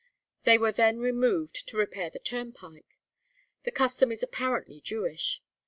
' They were then removed to repair the turnpike. This custom is apparently Jewish.